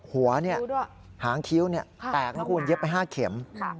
หางคิ้วแตกนะคุณเย็บไป๕เข็ม